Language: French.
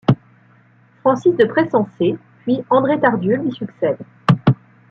Francis de Pressensé puis André Tardieu lui succèdent.